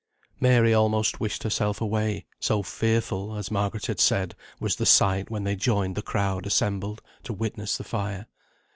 Mary almost wished herself away, so fearful (as Margaret had said) was the sight when they joined the crowd assembled to witness the fire.